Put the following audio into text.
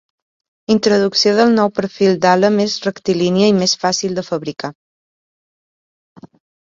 Introducció del nou perfil d'ala més rectilínia i més fàcil de fabricar.